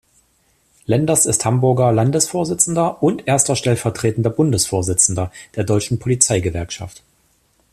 Lenders ist Hamburger Landesvorsitzender und Erster stellvertretender Bundesvorsitzender der Deutschen Polizeigewerkschaft.